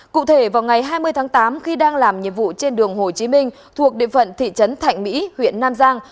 cụ thể vào ngày hai mươi tháng tám khi đang làm nhiệm vụ trên đường hồ chí minh thuộc địa phận thị trấn thạnh mỹ huyện nam giang